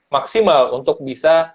maksimal untuk bisa